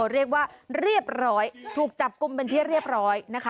เรียกว่าเรียบร้อยถูกจับกลุ่มเป็นที่เรียบร้อยนะคะ